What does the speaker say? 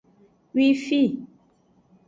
Wifi.